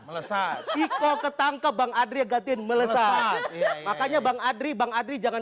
melesat iko ketangkep bang adria gatin melesat makanya bang adri bang adri jangan